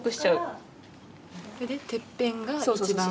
それでてっぺんが一番。